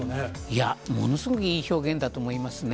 いや、ものすごくいい表現だと思いますね。